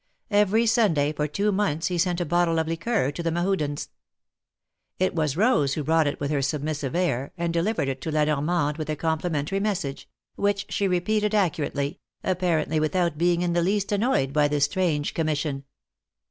Every Sunday for two months he sent a bottle of liqueur to the Mehudens. It wiis Rose who brought it with her submissive air, aud delivered it to La Normande with a complimentary message, which she repeated accu rately, apparently without being in the least annoyed by this strange commission.